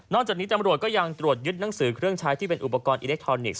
จากนี้ตำรวจก็ยังตรวจยึดหนังสือเครื่องใช้ที่เป็นอุปกรณ์อิเล็กทรอนิกส